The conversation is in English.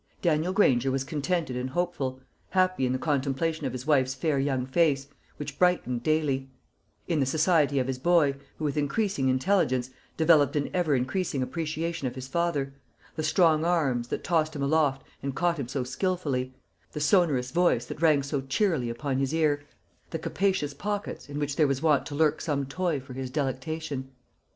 Daniel Granger was contented and hopeful; happy in the contemplation of his wife's fair young face, which brightened daily; in the society of his boy, who, with increasing intelligence, developed an ever increasing appreciation of his father the strong arms, that tossed him aloft and caught him so skilfully; the sonorous voice, that rang so cheerily upon his ear; the capacious pockets, in which there was wont to lurk some toy for his delectation.